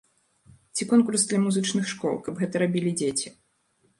Ці конкурс для музычных школ, каб гэта рабілі дзеці.